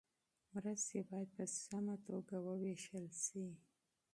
مرستې باید په سمه توګه وویشل سي.